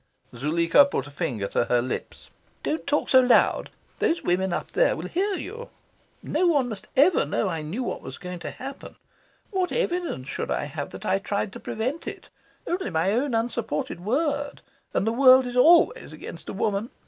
Zuleika put a finger to her lips. "Don't talk so loud. Those women up there will hear you. No one must ever know I knew what was going to happen. What evidence should I have that I tried to prevent it? Only my own unsupported word and the world is always against a woman.